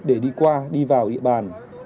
để đi qua đi vào địa bàn